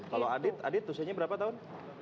kalau adit adit usianya berapa tahun